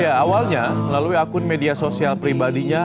ya awalnya melalui akun media sosial pribadinya